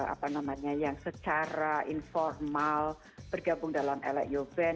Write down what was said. apa namanya yang secara informal bergabung dalam eleo ben